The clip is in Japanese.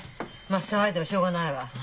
まあ騒いでもしょうがないわ。